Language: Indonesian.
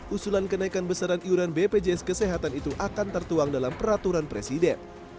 usulan kenaikan besaran iuran bpjs kesehatan itu akan tertuang dalam peraturan presiden